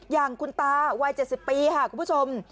อย่างคุณตาวัย๗๐ปีค่ะคุณผู้ชม